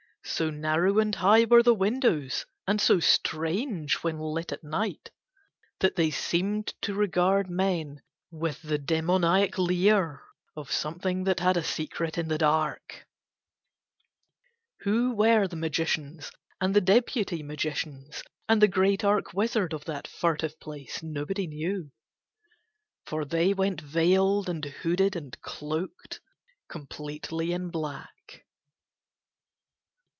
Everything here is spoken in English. So narrow and high were the windows and so strange when lighted at night that they seemed to regard men with the demoniac leer of something that had a secret in the dark. Who were the magicians and the deputy magicians and the great arch wizard of that furtive place nobody knew, for they went veiled and hooded and cloaked completely in black.